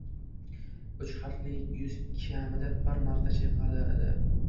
Uch harfli yuz kamida bir marta chayqaladi